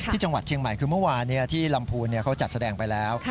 ที่จังหวัดเชียงใหม่คือเมื่อวานที่ลำพูนเขาจัดแสดงไปแล้ว